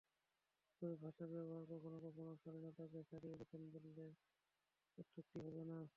তবে ভাষার ব্যবহার কখনো কখনো শালীনতাকে ছাড়িয়ে গেছে বললে অত্যুক্তি হবে না।